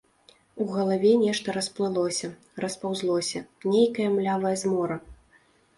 У галаве нешта расплылося, распаўзлося, нейкая млявая змора.